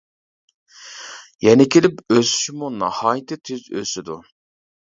يەنە كېلىپ ئۆسۈشىمۇ ناھايىتى تېز ئۆسىدۇ.